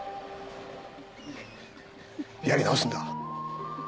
やり直すんだ！